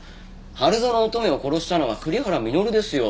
春薗乙女を殺したのは栗原稔ですよ。